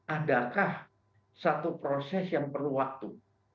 adakah satu proses yang perlu waktu